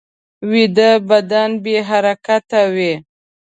ویده بدن بې حرکته وي